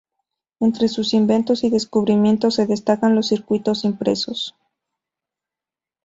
Entre sus inventos y descubrimientos se destacan los circuitos impresos.